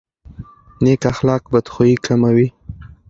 نیک اخلاق بدخويي کموي.